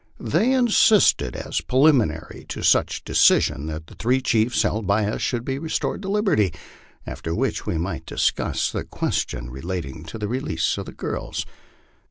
They insisted as preliminary to such decision that the three chiefs held by us should be restored to liberty, after which we might discuss the question relating to the release of the girls.